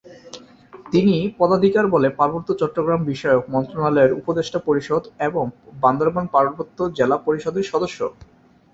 তিনি পদাধিকার বলে পার্বত্য চট্টগ্রাম বিষয়ক মন্ত্রণালয়ের উপদেষ্টা পরিষদ এবং বান্দরবান পার্বত্য জেলা পরিষদের সদস্য।